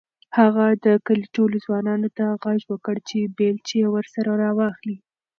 هغه د کلي ټولو ځوانانو ته غږ وکړ چې بیلچې ورسره راواخلي.